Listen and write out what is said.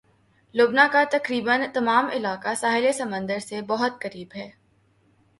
لبنان کا تقریباً تمام علاقہ ساحل سمندر سے بہت قریب ہے